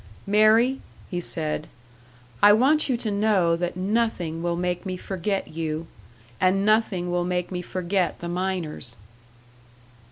"Mary," he said, "I want you to know that nothing will make me forget you; and nothing will make me forget the miners."